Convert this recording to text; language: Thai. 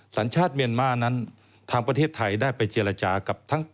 สัญชาติเมียนมาร์นั้นทางประเทศไทยได้ไปเจรจากับทั้ง